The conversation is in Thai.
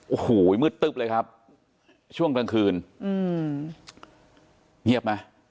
โอ้โหมืดตึ๊บเลยครับช่วงกลางคืนอืมเงียบไหม